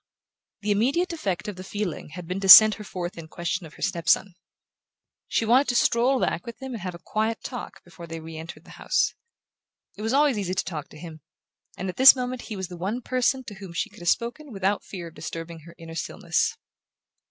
The immediate effect of the feeling had been to send her forth in quest of her step son. She wanted to stroll back with him and have a quiet talk before they re entered the house. It was always easy to talk to him, and at this moment he was the one person to whom she could have spoken without fear of disturbing her inner stillness.